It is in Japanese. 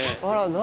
何？